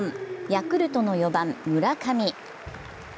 ヤクルトの４番・村上。